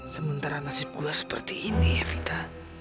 sementara nasib gue seperti ini ya vita